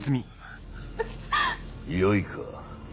よいか。